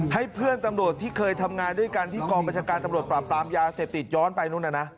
ให้เพื่อนตำรวจที่เคยทำงานด้วยกันที่กองประชาการตำรวจปราบปรามยาเสพติดย้อนไปนู่นน่ะนะ